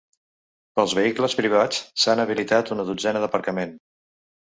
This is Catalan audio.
Pels vehicles privats s’han habilitat una dotzena d’aparcament.